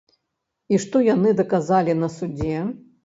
І што яны даказалі на судзе?